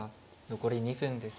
残り２分です。